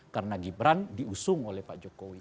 karena gibran diusung oleh pak jokowi